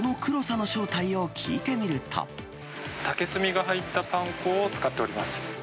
竹炭が入ったパン粉を使っております。